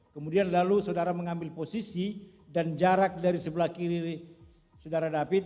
kemudian lalu saudara mengambil posisi dan jarak dari sebelah kiri saudara david